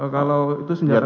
kalau itu senjata pendek